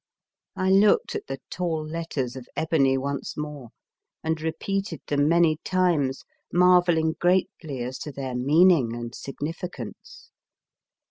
I looked at the tall letters of ebony once more and repeated them many times, marvelling greatly as to their meaning and significance.